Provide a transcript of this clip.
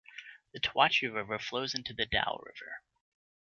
The Toachi river flows into the Daule river.